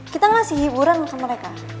kita ngasih hiburan sama mereka